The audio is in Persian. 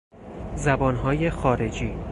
زبانهای خارجی